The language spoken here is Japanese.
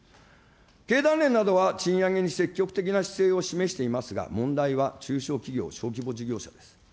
経団連などは賃上げに積極的な姿勢を示していますが、問題は中小企業、小規模事業者です。